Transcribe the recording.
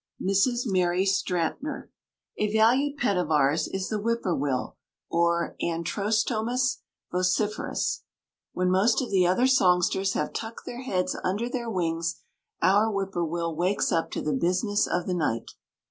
MRS. MARY STRATNER. A valued pet of ours is the whippoorwill or Antrostomus vociferus. When most of the other songsters have tucked their heads under their wings our whippoorwill wakes up to the business of the night.